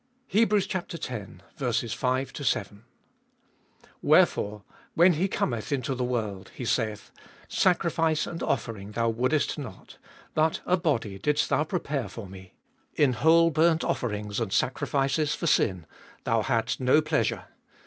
A BODY DIDST THOU PREPARE FOR ME. X.— 5. Wherefore when he cometh Into the world, he saith, Sacrifice and offering thou wouldest not, But a body didst thou prepare for me ; 6. In whole burnt offerings and sacrifices for sin thou hadst no pleasure : 7.